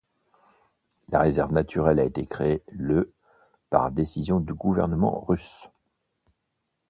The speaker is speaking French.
La réserve naturelle a été créée le par décision du gouvernement russe.